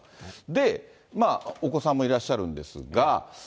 で、お子さんもいらっしゃるんですが。